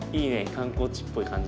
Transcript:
観光地っぽい感じ。